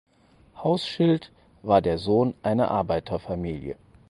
Hauschild war der Sohn einer Arbeiterfamilie.